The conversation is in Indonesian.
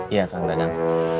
iya kang dadang